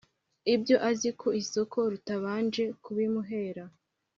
ibyo azi ku isoko rutabanje kubimuhera